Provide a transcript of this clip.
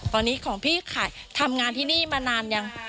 ตอนนี้ของพี่ขายทำงานที่นี่มานานยัง